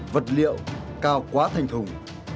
vật liệu cao quá thành thùng